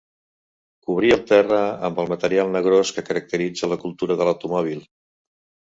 Cobrir el terra amb el material negrós que caracteritza la cultura de l'automòbil.